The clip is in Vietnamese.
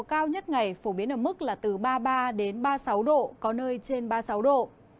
cao nhất ngày phổ biến ở mức là từ ba mươi ba ba mươi sáu độ có nơi trên ba mươi sáu độ